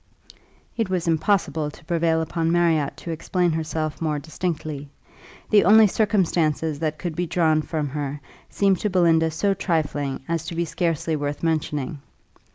It was impossible to prevail upon Marriott to explain herself more distinctly. The only circumstances that could be drawn from her seemed to Belinda so trifling as to be scarcely worth mentioning.